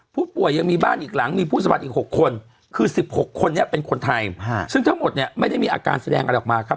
ผู้ป่วยยังมีบ้านอีกหลังมีผู้สมัครอีก๖คนคือ๑๖คนนี้เป็นคนไทยซึ่งทั้งหมดเนี่ยไม่ได้มีอาการแสดงอะไรออกมาครับ